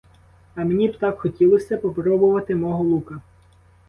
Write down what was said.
А мені б так хотілося попробувати мого лука.